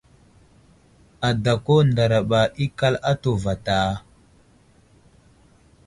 Adako ndaraɓa ikal atu vatá ?